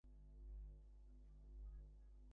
অন্তু, গোড়াতেই কেন আমাকে অপমান করে তাড়িয়ে দিলে না?